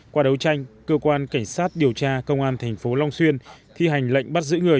qua đấu tranh cơ quan cảnh sát điều tra công an thành phố long xuyên thi hành lệnh bắt giữ người